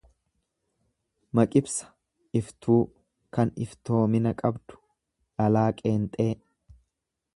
Maqibsa iftuu, kan iftoomina qabdu. dhalaa qeenxee